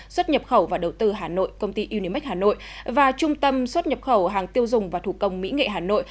xuất nhập khẩu và đầu tư hà nội công ty unimec hà nội và trung tâm xuất nhập khẩu hàng tiêu dùng và thủ công mỹ nghệ hà nội